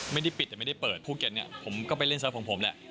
ไม่ได้ปิดไม่ได้เปิดภูเก็ตผมก็ไปเล่นเซิร์ฟผมแหละ